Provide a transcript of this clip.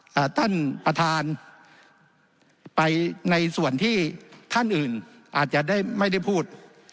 ท่านประธานไปในส่วนที่ท่านอื่นอาจจะได้ไม่ได้พูด